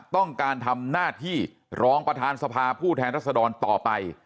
ต้องการทำหน้าที่รองประธานสภาผู้แทนรัศดรต่อไป